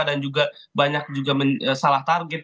dan juga banyak salah target